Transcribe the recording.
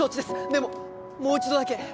でももう一度だけ。